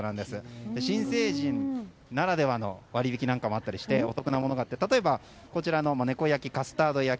新成人ならではの割引なんかもあったりしてお得なんですが例えばこちらの猫焼き、カスタード焼き。